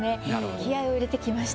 気合いを入れてきました。